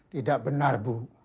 tidak benar bu